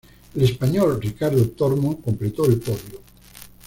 El español Ricardo Tormo' completó el podio.